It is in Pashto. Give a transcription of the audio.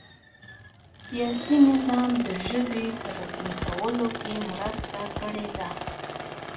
سیاسي نظام د ژبې په رسمي کولو کې مرسته کړې ده.